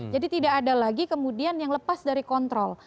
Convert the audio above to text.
jadi tidak ada lagi kemudian yang lepas dari kontrol